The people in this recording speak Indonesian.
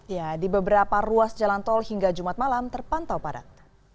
ya di beberapa ruas jalan tol hingga jumat malam terpantau padat